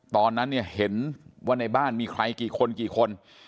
ตอนนั้นเนี่ยเห็นว่าในบ้านมีใครกี่คนกี่คน